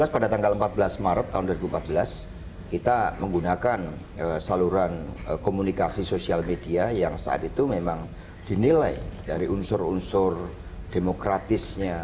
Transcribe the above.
pada tanggal empat belas maret tahun dua ribu empat belas kita menggunakan saluran komunikasi sosial media yang saat itu memang dinilai dari unsur unsur demokratisnya